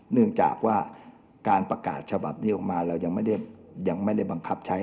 เนื่องจากว่าการประกาศฉบับนี้ออกมาเรายังไม่ได้บังคับใช้